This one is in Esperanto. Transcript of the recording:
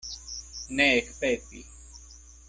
Ne ekpepi!